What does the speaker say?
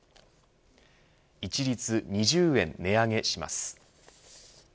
一律２０円値上げします。